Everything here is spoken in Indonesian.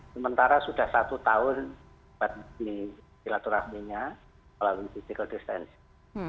sementara sudah satu tahun berhubungi silaturahimnya melalui physical distancing